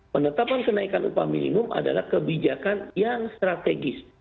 penetapan kenaikan upah minimum adalah kebijakan yang strategis